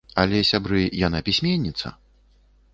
Але, сябры, яна пісьменніца!